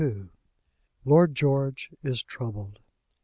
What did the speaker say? LORD GEORGE IS TROUBLED.